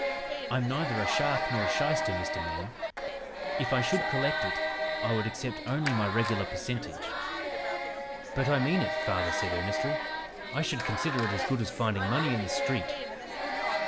I'm neither a shark nor a shyster, Mr. Man. If I should collect it, I would accept only my regular percentage.' "'But I mean it,' father said earnestly. 'I should consider it as good as finding money in the street.'